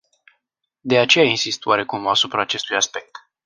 De aceea insist oarecum asupra acestui aspect.